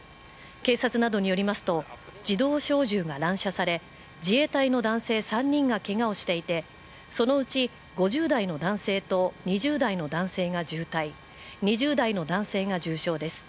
警察などによりますと、自動小銃が乱射され、自衛隊の男性３人がけがをしていて、そのうち５０代の男性と２０代の男性が重体、２０代の男性が重傷です。